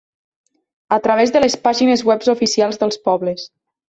A través de les pàgines webs oficials dels pobles.